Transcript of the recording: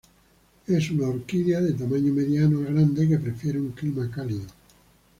Es una orquídea de tamaño mediano a grande, que prefiere un clima cálido.